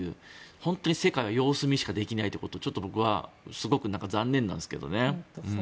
本当に世界は様子見しかできないってことがちょっと僕はすごく残念なんですけどね。